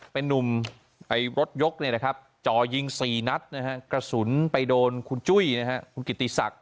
เป็นนุ่มรถยกจ่อยิง๔นัดกระสุนไปโดนคุณจุ้ยคุณกิติศักดิ